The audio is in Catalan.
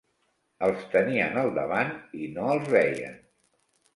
Els tenien al davant i no els veien.